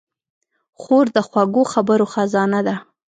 خور د خوږو خبرو خزانه ده.